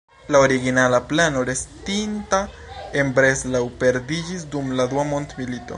La originala plano restinta en Breslau perdiĝis dum la Dua Mondmilito.